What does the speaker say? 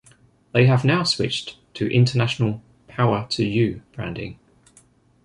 They have now switched to international 'Power to you' branding.